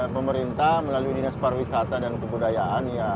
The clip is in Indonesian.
pemerintah melalui dinas pariwisata dan kebudayaan ya